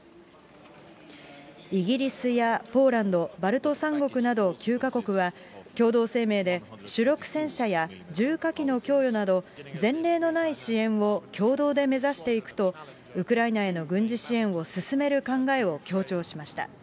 イギリスやポーランド、バルト３国など９か国は、共同声明で主力戦車や重火器の供与など、前例のない支援を共同で目指していくと、ウクライナへの軍事支援を進める考えを強調しました。